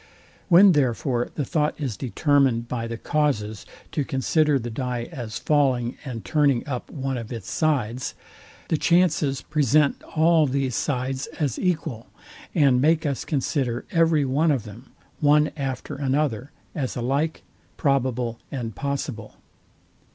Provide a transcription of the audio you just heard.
When therefore the thought is determined by the causes to consider the dye as falling and turning up one of its sides, the chances present all these sides as equal, and make us consider every one of them, one after another, as alike probable and possible.